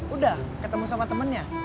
udah ketemu sama temennya